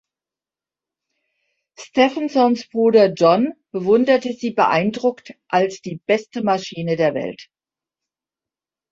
Stephensons Bruder John bewunderte sie beeindruckt als die „beste Maschine der Welt“.